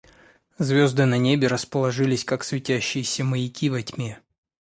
Звезды на небе расположились как светящиеся маяки во тьме.